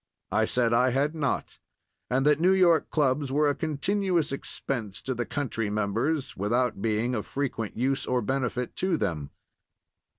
I said I had not, and that New York clubs were a continuous expense to the country members without being of frequent use or benefit to them.